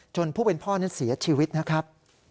ผู้เป็นพ่อนั้นเสียชีวิตนะครับ